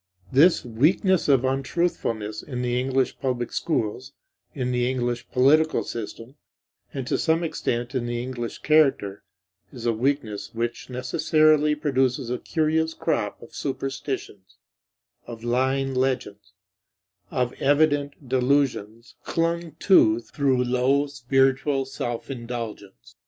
This weakness of untruthfulness in the English public schools, in the English political system, and to some extent in the English character, is a weakness which necessarily produces a curious crop of superstitions, of lying legends, of evident delusions clung to through low spiritual self indulgence.